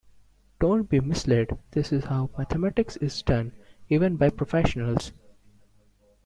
Don't be misled; this is how mathematics is done, even by professionals.